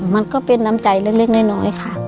มันก็เป็นน้ำใจเล็กน้อยค่ะ